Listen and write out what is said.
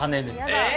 え！